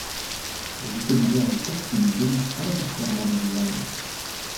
Le vocabulaire du texte ne dérive pas entièrement du vieil anglais.